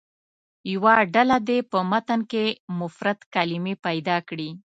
یوه ډله دې په متن کې مفرد کلمې پیدا کړي.